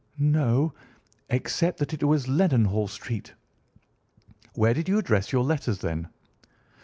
"No—except that it was Leadenhall Street." "Where did you address your letters, then?"